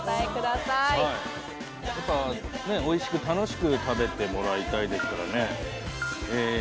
やっぱり美味しく楽しく食べてもらいたいですからね。